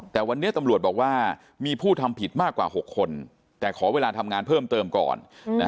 แต่วันนี้ตำรวจบอกว่ามีผู้ทำผิดมากกว่า๖คนแต่ขอเวลาทำงานเพิ่มเติมก่อน